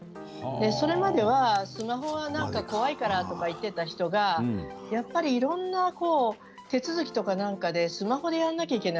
それまではスマホは怖いからと言っていた人がやっぱりいろいろな手続きとか何かでスマホでやらなければいけない。